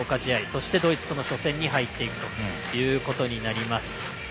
そして、ドイツとの初戦に入っていくことになります。